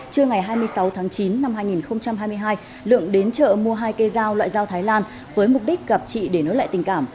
trưa ngày hai mươi sáu tháng chín năm hai nghìn hai mươi hai lượng đến chợ mua hai cây dao loại dao thái lan với mục đích gặp chị để nối lại tình cảm